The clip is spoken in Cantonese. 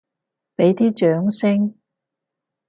畀啲掌聲！